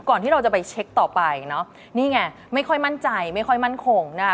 ที่เราจะไปเช็คต่อไปเนอะนี่ไงไม่ค่อยมั่นใจไม่ค่อยมั่นคงนะคะ